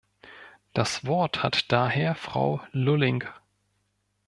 Das Wort hat daher Frau Lulling.